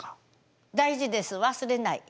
大事です忘れない。